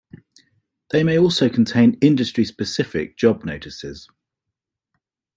They may also contain industry-specific job notices.